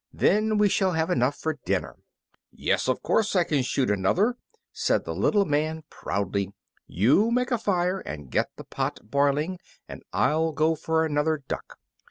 Then we shall have enough for dinner." "Yes, of course I can shoot another," said the little man, proudly; "you make a fire and get the pot boiling, and I'll go for another duck."